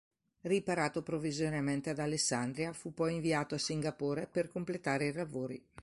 Riparato provvisoriamente ad Alessandria, fu poi inviato a Singapore per completare i lavori.